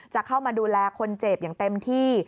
จะเข้ามาดูแลคนเจ็บอย่างเต็มที่